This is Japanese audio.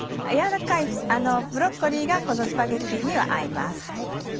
軟らかいブロッコリーがこのスパゲティには合います。